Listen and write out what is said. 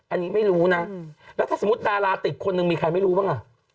อันนี้ไม่รู้นะแล้วถ้าสมมุติดาราติดคนหนึ่งมีใครไม่รู้บ้างอ่ะ